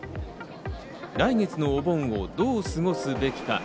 来月のお盆をどう過ごすべきか。